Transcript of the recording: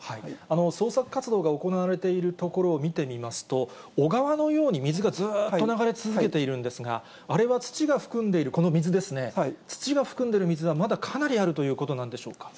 捜索活動が行われているところを見てみますと、小川のように、水がずっと流れ続けているんですが、あれは土が含んでいるこの水ですね、土が含んでいる水は、まだかなりあるということなんでしょうか。